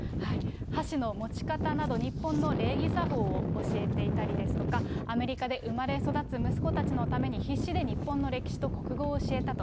箸の持ち方など、日本の礼儀作法を教えていたりですとか、アメリカで生まれ育つ息子たちのために、必死で日本の歴史と国語を教えたと。